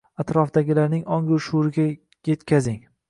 Atrofdagilarning ong-u shuuriga yetkazing.